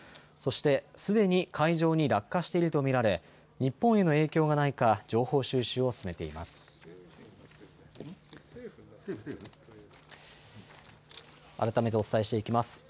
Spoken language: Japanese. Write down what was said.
そして、すでに海上に落下していると見られ日本への影響がないか情報収集を進めています。